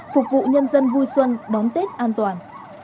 phục vụ nhân dân vui xuân đón tết an toàn